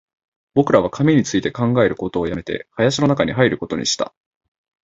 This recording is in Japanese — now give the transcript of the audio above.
僕らは紙について考えることを止めて、林の中に入ることにした